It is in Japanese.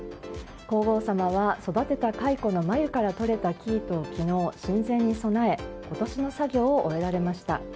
皇后さまは育てたカイコのまゆから取れた生糸を昨日神前に供え今年の作業を終えられました。